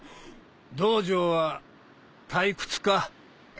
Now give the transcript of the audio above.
道場は退屈か？